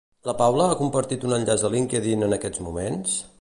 La Paula ha compartit un enllaç a LinkedIn en aquests moments?